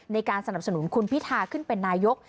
ในการสนับสนุนคุณพิทาขึ้นเป็นนายก